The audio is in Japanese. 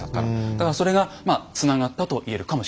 だからそれがつながったと言えるかもしれないですね。